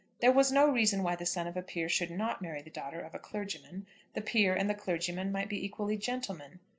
There was no reason why the son of a peer should not marry the daughter of a clergyman. The peer and the clergyman might be equally gentlemen.